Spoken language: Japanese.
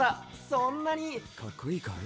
そんなにかっこいいかい？